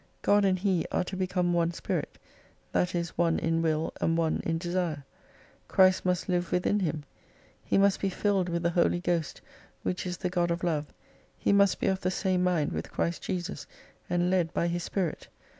God and he are to become one Spirit, that is one in will, and one in desire. Christ must Hve within him. He must be fiUed with the Holy Ghost, which is the God of Love, he must be of the same mind with Christ J esus, and led by His Spirit.